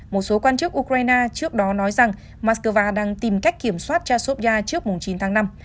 một số quan chức ukraine trước đó nói rằng moscow đang tìm cách kiểm soát chasofa trước chín tháng năm